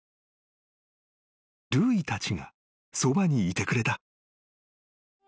［ルーイたちがそばにいてくれた］